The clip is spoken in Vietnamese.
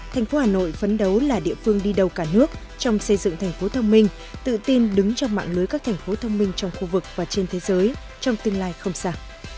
thành phố hà nội phấn đấu là địa phương đi đầu cả nước trong xây dựng thành phố thông minh tự tin đứng trong mạng lưới các thành phố thông minh trong khu vực và trên thế giới trong tương lai không xa